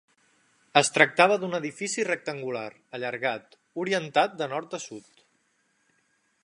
Es tractava d'un edifici rectangular, allargat, orientat de nord a sud.